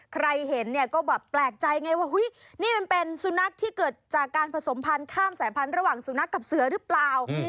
ใครเห็นเนี่ยก็แบบแปลกใจไงว่านี่มันเป็นสุนัขที่เกิดจากการผสมพันธ์ข้ามสายพันธุ์ระหว่างสุนัขกับเสือหรือเปล่า